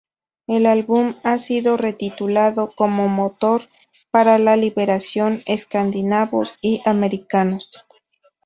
El álbum ha sido retitulado como motor para la liberación escandinavos y americanos.